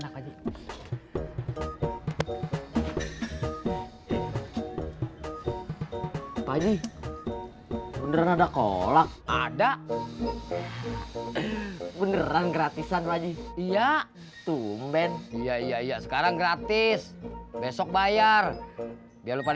pak jidul ada kolak ada beneran gratisan lagi iya tumben iya sekarang gratis besok bayar biar